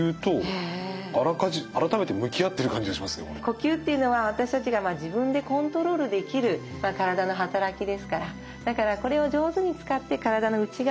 呼吸っていうのは私たちが自分でコントロールできる体の働きですからだからこれを上手に使って体の内側にメッセージを届ける。